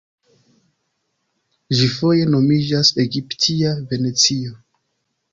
Ĝi foje nomiĝas egiptia Venecio.